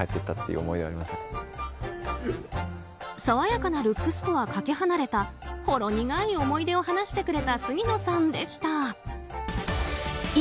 爽やかなルックスとはかけ離れたほろ苦い思い出を話してくれた杉野さんでした。